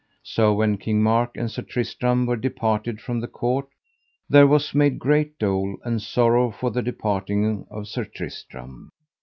So when King Mark and Sir Tristram were departed from the court there was made great dole and sorrow for the departing of Sir Tristram.